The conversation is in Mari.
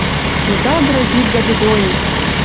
Беда грозит за бедою